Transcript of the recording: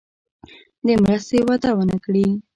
د مرستې وعده ونه کړي.